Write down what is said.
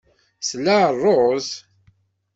Tla ṛṛuz?